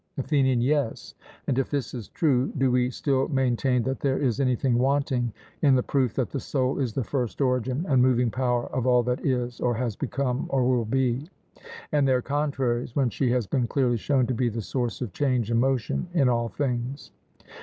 ATHENIAN: Yes; and if this is true, do we still maintain that there is anything wanting in the proof that the soul is the first origin and moving power of all that is, or has become, or will be, and their contraries, when she has been clearly shown to be the source of change and motion in all things?